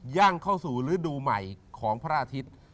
ย่างเข้าสู่ฤดูใหม่ของพระอาทิตย์